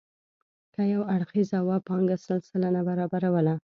که یو اړخیزه وه پانګه سل سلنه برابروله.